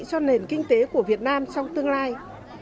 cho nền kinh tế của việt nam trong tương lai